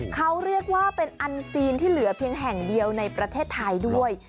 เขาเรียกว่าเป็นอันซีนที่เหลือเพียงแห่งเดียวในประเทศไทยด้วย